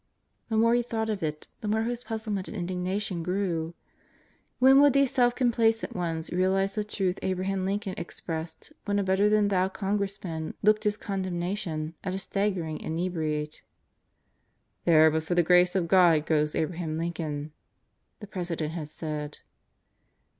The more he thought of it, the more his puzzlement and indigna tion grew. When would these self complacent ones realize the truth Abraham Lincoln expressed when a better than thou Con gressman looked his condemnation at a staggering inebriate. "There, but for the grace of God, goes Abraham Lincoln," the President had said.